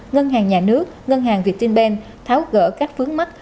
ngân hàng nhà nước ngân hàng việt tinh ben tháo gỡ các phướng mắt